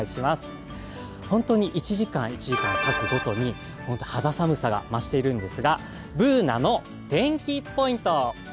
本当に１時間、１時間たつごとに肌寒さが増しているんですがＢｏｏｎａの天気ポイント。